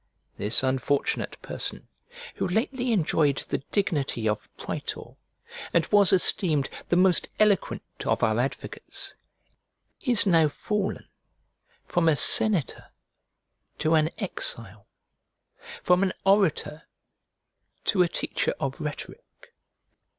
This unfortunate person, who lately enjoyed the dignity of praetor, and was esteemed the most eloquent of our advocates, is now fallen from a senator to an exile, from an orator to a teacher of rhetoric.